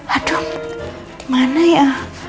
aduh dimana ya